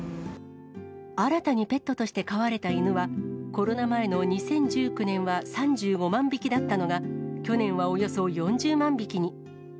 新たにペットとして飼われた犬は、コロナ前の２０１９年は、３５万匹だったのが、去年はおよそ４０万匹に。